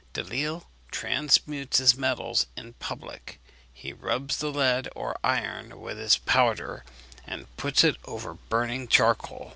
Delisle transmutes his metals in public. He rubs the lead or iron with his powder, and puts it over burning charcoal.